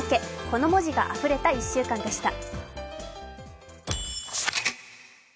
この文字があふれた１週間でした。